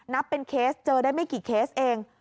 นับเป็นเคสเจอได้ไม่กี่เคสเอง